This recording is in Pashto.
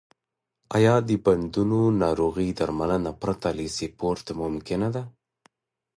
آیا د بندونو ناروغي درملنه پرته له سپورت ممکنه ده؟